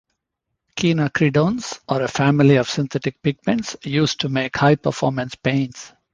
Quinacridones are a family of synthetic pigments used to make high performance paints.